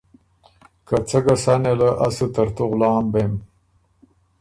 که څۀ ګۀ سَۀ نېله از سُو ترتُو غلام بېم۔